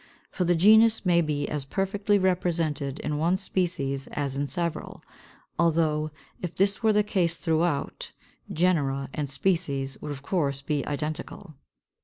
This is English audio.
For the genus may be as perfectly represented in one species as in several, although, if this were the case throughout, genera and species would of course be identical.